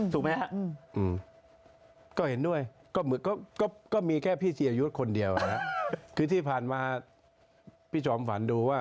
ถูกมั้ยฮะ